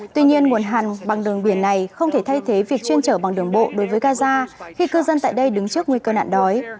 tuy nhiên nguồn hàng bằng đường biển này không thể thay thế việc chuyên trở bằng đường bộ đối với gaza khi cư dân tại đây đứng trước nguy cơ nạn đói